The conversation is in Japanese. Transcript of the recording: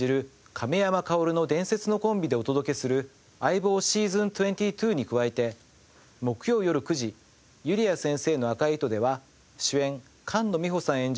亀山薫の伝説のコンビでお届けする『相棒ｓｅａｓｏｎ２２』に加えて木曜よる９時『ゆりあ先生の赤い糸』では主演菅野美穂さん演じる